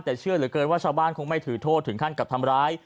แต่เชื่อเหลือเกินว่าชาวบ้านคงไม่ถือโทษถึงขั้นกับทำร้าย